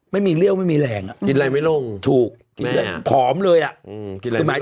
ไม่มีเลี่ยวไม่มีแรงอ่ะกินอะไรไม่ลงถูกเผาเลยอ่ะมึง